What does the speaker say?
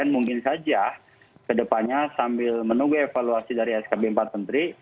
mungkin saja ke depannya sambil menunggu evaluasi dari skb empat menteri